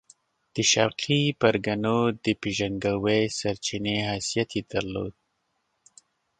د شرقي پرګنو د پېژندګلوۍ سرچینې حیثیت یې درلود.